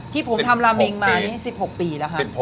ที่ผมทำลาเมงมานี่๑๖ปีแล้วครับ